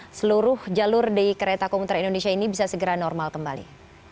semoga seluruh jalur di kereta komuter indonesia ini bisa segera normal kembali